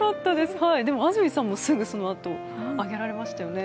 でも安住さんもすぐ上げられましたよね。